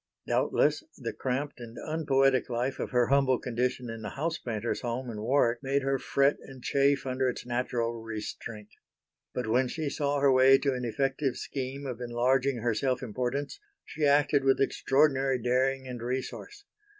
Doubtless the cramped and unpoetic life of her humble condition in the house painter's home in Warwick made her fret and chafe under its natural restraint. But when she saw her way to an effective scheme of enlarging her self importance she acted with extraordinary daring and resource.